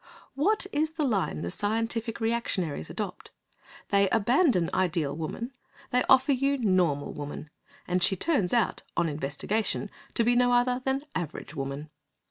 What is the line the scientific reactionaries adopt? They abandon Ideal Woman; they offer you Normal Woman, and she turns out, on investigation, to be no other than average woman.